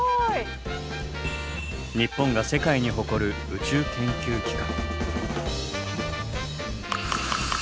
日本が世界に誇る宇宙研究機関。